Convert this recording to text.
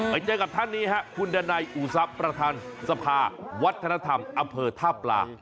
ไปเจอกับท่านนี้ฮะคุณดันัยอูทรัพย์ประธานสภาวัฒนธรรมอำเภอท่าปลา